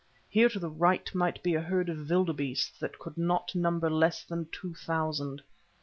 Here to the right might be a herd of vilderbeeste that could not number less than two thousand.